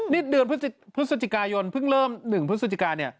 นี่เดือนพฤศจิกายนเพิ่งเริ่ม๑พฤศจิกาเนี่ย